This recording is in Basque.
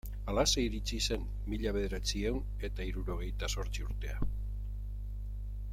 Halaxe iritsi zen mila bederatziehun eta hirurogeita zortzi urtea.